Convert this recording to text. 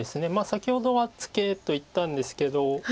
先ほどはツケと言ったんですけど。